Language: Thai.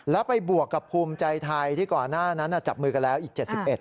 แล้วไปบวกกับภูมิใจไทยที่ก่อนหน้านั้นจับมือกันแล้วอีก๗๑